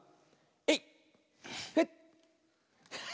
えい！